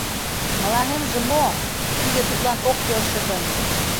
— Мыланемже мо, тиде тудлан ок келше гын?